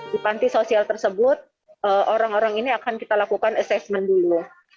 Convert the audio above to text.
di panti sosial tersebut orang orang ini akan kita lakukan assessment dulu